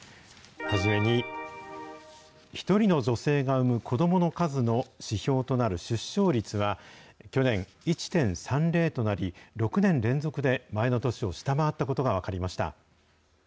初めに、１人の女性が産む子どもの数の指標となる出生率は、去年、１．３０となり、６年連続で前の年を下回ったことが分かりました。